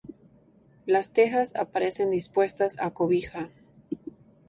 Las tejas aparecen dispuestas a cobija.